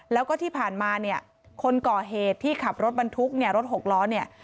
แล้วก็ที่ผ่านมาเนี่ยคนก่อเหตุที่ขับรถบรรทุกเนี่ยรถหกล้อเนี่ย